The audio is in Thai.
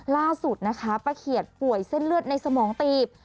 ล่าสุดนะคะป้าเขียดป่วยเส้นเลือดในสมองตีบ